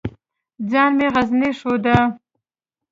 ځان مې غرنی ښوده.